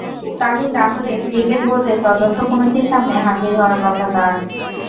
কালই লাহোরে ক্রিকেট বোর্ডের তদন্ত কমিটির সামনে হাজির হওয়ার কথা তাঁর।